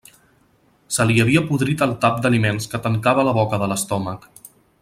Se li havia podrit el tap d'aliments que tancava la boca de l'estómac.